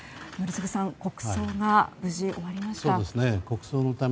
宜嗣さん国葬が無事終わりました。